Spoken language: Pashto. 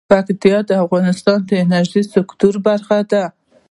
پکتیا د افغانستان د انرژۍ سکتور برخه ده.